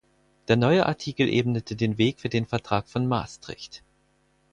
Der neue Artikel ebnete den Weg für den Vertrag von Maastricht.